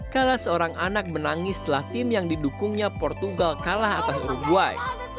kala seorang anak menangis setelah tim yang didukungnya portugal kalah atas uruguay